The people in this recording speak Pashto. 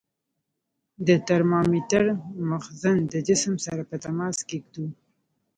د ترمامتر مخزن د جسم سره په تماس کې ږدو.